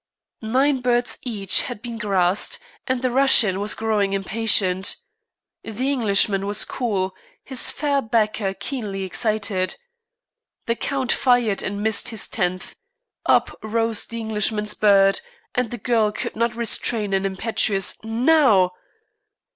Nine birds each had been grassed, and the Russian was growing impatient. The Englishman was cool, his fair backer keenly excited. The Count fired and missed his tenth. Up rose the Englishman's bird, and the girl could not restrain an impetuous "Now!"